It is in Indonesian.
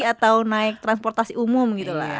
atau naik transportasi umum gitu lah